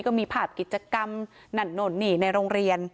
ก็บอกแบบนี้ก็มีภาพกิจกรรมหนั่นหน่นนี่ในโรงเรียน